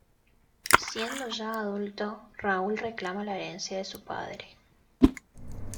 Siendo ya adulto, Raoul reclama la herencia de su padre.